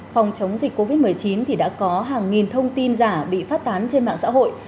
phòng chống dịch covid một mươi chín thì đã có hàng nghìn thông tin giả bị phát tán trên mạng xã hội